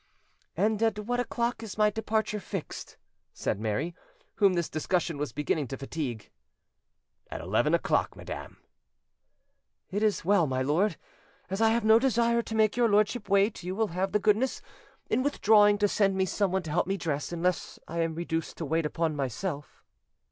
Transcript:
"And at what o'clock is my departure fixed?" said Mary, whom this discussion was beginning to fatigue. "At eleven o'clock, madam." "It is well, my lord; as I have no desire to make your lordship wait, you will have the goodness, in withdrawing, to send me someone to help me dress, unless I am reduced to wait upon myself."